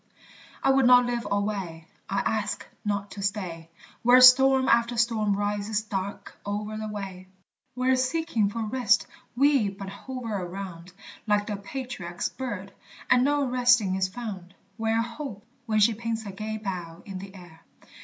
I would not live alway: I ask not to stay Where storm after storm rises dark o'er the way; Where seeking for rest we but hover around, Like the patriarch's bird, and no resting is found; Where Hope, when she paints her gay bow in the air.